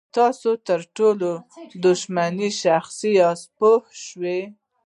تاسو تر ټولو شتمن شخص یاست پوه شوې!.